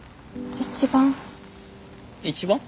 一番？